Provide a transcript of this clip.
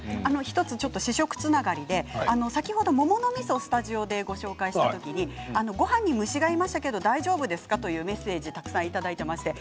試食つながりで先ほども桃のみそをスタジオでご紹介した時にごはんに虫がいましたけれど大丈夫でしたか、というメッセージたくさんいただきました。